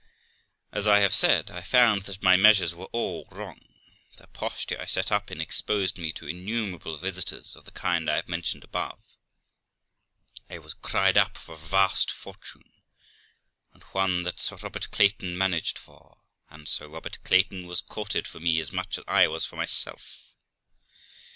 As I have said, I found that my measures were all wrong; the posture I set up in exposed me to innumerable visitors of the kind I have mentioned above. I was cried up for a vast fortune, and one that Sir Robert Clayton managed for; and Sir Robert Clayton was courted for me as much as I was for myself.